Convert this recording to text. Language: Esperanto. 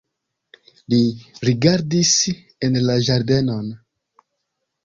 Li rigardis en la ĝardenon.